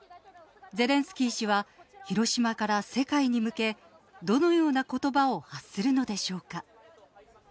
ゼレンスキー氏は、広島から世界に向け、どのようなことばを発するのでしょうか。